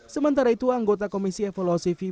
sementara itu anggota komisi evaluasi fiba ingo weiss